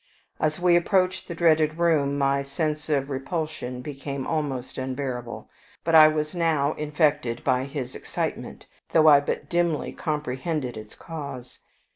As we approached the dreaded room my sense of repulsion became almost unbearable; but I was now infected by his excitement, though I but dimly comprehended its cause.